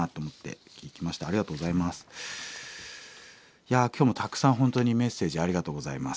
いや今日もたくさん本当にメッセージありがとうございます。